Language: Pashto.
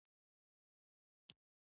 پسرلی د افغان کورنیو د دودونو مهم عنصر دی.